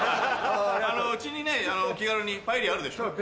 うちにね気軽にパエリアあるでしょ？